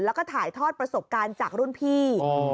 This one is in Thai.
แล้วก็ถ่ายทอดประสบการณ์จากรุ่นพี่